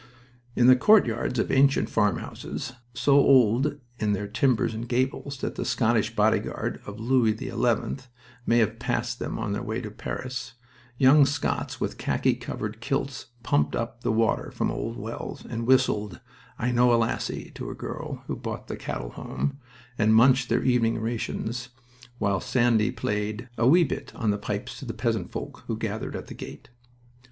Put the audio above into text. In the courtyards of ancient farmhouses, so old in their timbers and gables that the Scottish bodyguard of Louis XI may have passed them on their way to Paris, modern Scots with khaki covered kilts pumped up the water from old wells, and whistled "I Know a Lassie" to the girl who brought the cattle home, and munched their evening rations while Sandy played a "wee bit" on the pipes to the peasant folk who gathered at the gate.